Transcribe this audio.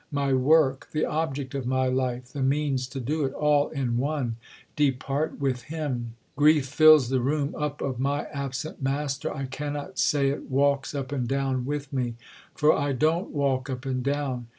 My work, the object of my life, the means to do it, all in one, depart with him. "Grief fills the room up of my absent" master. I cannot say it "walks up and down" with me. For I don't walk up and down.